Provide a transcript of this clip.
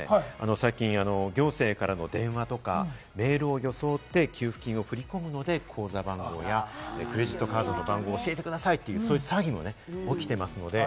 行政からの電話とか、メールを装って給付金を振り込むので、口座番号やクレジットカードの番号を教えてくださいという詐欺も起きています。